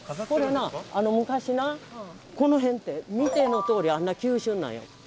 これな昔なこの辺って見てのとおりあんな急峻なんよ。